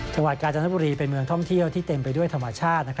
จังหวัดกาญจนบุรีเป็นเมืองท่องเที่ยวที่เต็มไปด้วยธรรมชาติ